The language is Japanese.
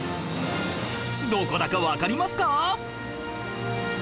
どこだかわかりますか？